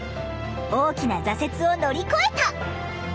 大きな挫折を乗り越えた！